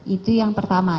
itu yang pertama